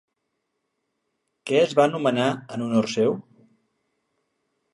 Què es va nomenar en honor seu?